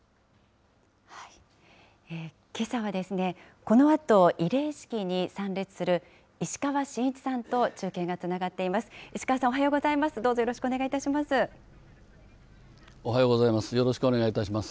けさはですね、このあと慰霊式に参列する石川信一さんと中継がつながっています。